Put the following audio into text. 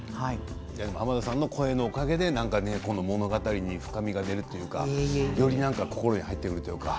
濱田さんの声のおかげで物語に深みが出るというかより心に入ってくるというか。